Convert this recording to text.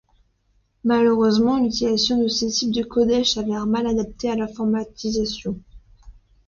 Malheureusement, l’utilisation de ce type de codage s’avère mal adaptée à l’informatisation.